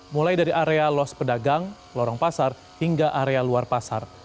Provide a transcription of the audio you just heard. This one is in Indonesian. mulai dari area los pedagang lorong pasar hingga area luar pasar